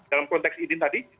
dalam konteks ini tadi